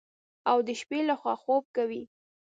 او د شپې لخوا خوب کوي.